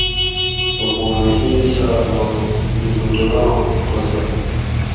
لقمان حکیم صاۤباں لُوکُوٹوراں قصہ